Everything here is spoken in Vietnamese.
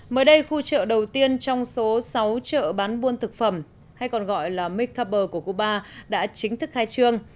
mới đây khu chợ đầu tiên trong số sáu chợ bán buôn thực phẩm hay còn gọi là miccapper của cuba đã chính thức khai trương